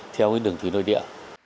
theo cái đường thủy nội địa